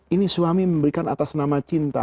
ini suami memberikan atas nama cinta